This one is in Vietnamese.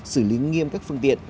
xử lý nghiêm các phương tiện